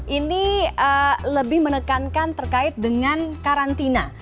ini lebih menekankan terkait dengan karantina